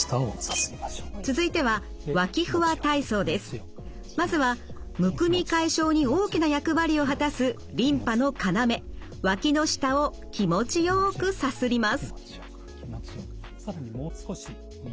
続いてはまずはむくみ解消に大きな役割を果たすリンパの要脇の下を気持ちよくさすります。